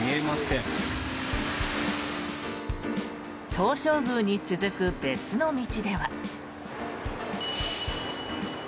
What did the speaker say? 東照宮に続く別の道では。